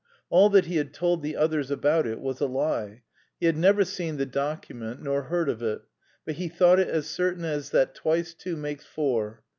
All that he had told the others about it was a lie: he had never seen the document nor heard of it, but he thought it as certain as that twice two makes four.